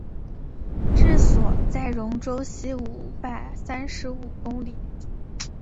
治所在戎州西五百三十五里。